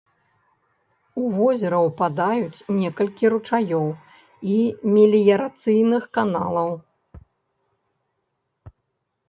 У возера ўпадаюць некалькі ручаёў і меліярацыйных каналаў.